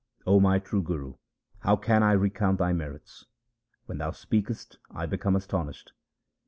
O my true Guru, how can I recount thy merits ? When thou speakest, I become astonished.